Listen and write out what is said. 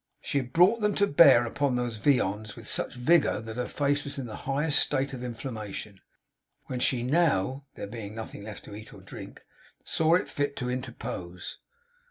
She had brought them to bear upon those viands with such vigour that her face was in the highest state of inflammation, when she now (there being nothing left to eat or drink) saw fit to interpose.